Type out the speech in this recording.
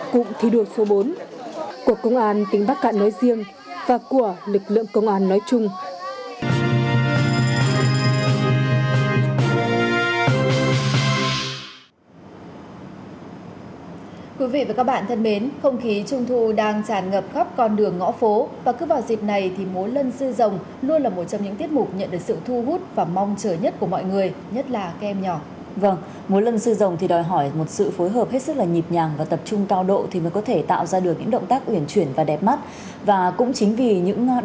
cụm thi đua số bốn của công an tính bắc cạn nói riêng và của lực lượng công an nói chung